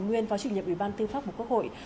nguyên phó chủ nhập ủy ban tư pháp bộ quốc hội